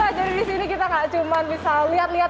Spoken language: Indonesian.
wah dari di sini kita gak cuma bisa lihat lihat